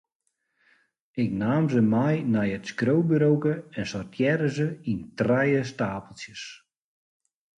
Ik naam se mei nei it skriuwburoke en sortearre se yn trije steapeltsjes.